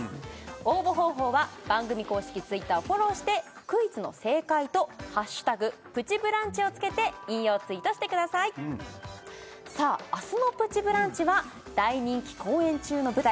応募方法は番組公式Ｔｗｉｔｔｅｒをフォローしてクイズの正解と「＃プチブランチ」をつけて引用ツイートしてくださいさあ明日の「プチブランチ」は大人気公演中の舞台